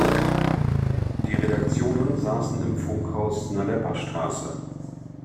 Die Redaktionen saßen im Funkhaus Nalepastraße.